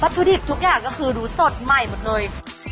ถุดิบทุกอย่างก็คือดูสดใหม่หมดเลย